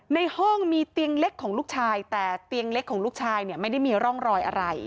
ในห้องมีเตียงเล็กของลูกชายแต่เตียงเล็กของลูกชายเนี่ยไม่ได้มีร่องรอยอะไร